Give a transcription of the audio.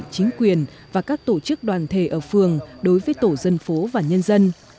chính quyền và các tổ chức đoàn thể ở phường đối với tổ dân phố và nhân dân